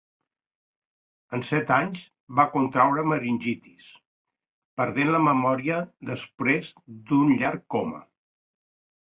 Amb set anys va contreure meningitis, perdent la memòria després d'un llarg coma.